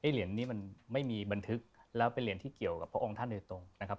เหรียญนี้มันไม่มีบันทึกแล้วเป็นเหรียญที่เกี่ยวกับพระองค์ท่านโดยตรงนะครับ